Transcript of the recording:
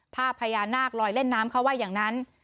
ภาพพญานาคลอยเล่นน้ำเขาว่าอย่างนั้น